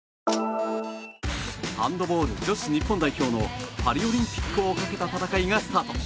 ハンドボール女子日本代表のパリオリンピックをかけた戦いがスタート。